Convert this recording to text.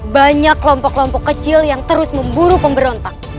banyak kelompok kelompok kecil yang terus memburu pemberontak